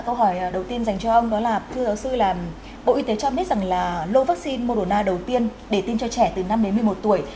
câu hỏi đầu tiên dành cho ông là bộ y tế cho biết là lô vắc xin moderna đầu tiên để tiêm cho trẻ từ năm đến một mươi một tuổi